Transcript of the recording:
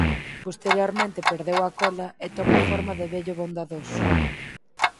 Posteriormente perdeu a cola e toma a forma de vello bondadoso.